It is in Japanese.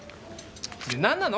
で何なの？